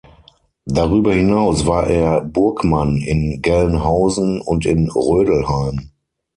Darüber hinaus war er Burgmann in Gelnhausen und in Rödelheim.